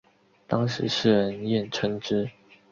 当时世人艳称之。